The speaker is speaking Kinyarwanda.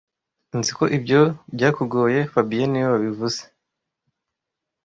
Nzi ko ibyo byakugoye fabien niwe wabivuze